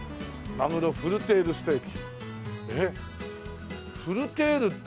まぐろフルテールステーキ。